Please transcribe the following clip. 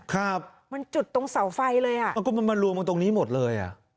ครับมันจุดตรงเสาไฟเลยอ่ะมันก็มันมารวมกันตรงนี้หมดเลยอ่ะ